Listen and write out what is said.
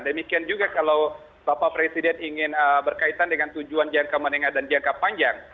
demikian juga kalau bapak presiden ingin berkaitan dengan tujuan jangka menengah dan jangka panjang